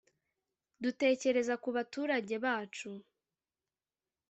‘Dutekereza ku baturage bacu